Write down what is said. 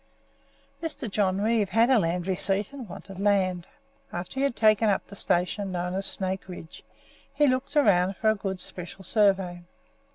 Mr. John Reeve had a land receipt, and wanted land. After he had taken up the station known as Snake Ridge he looked about for a good Special Survey.